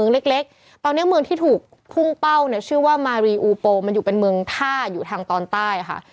เล็กตอนนี้เมืองที่ถูกพุ่งเป้าเนี่ยชื่อว่ามารีอูโปมันอยู่เป็นเมืองท่าอยู่ทางตอนใต้ค่ะ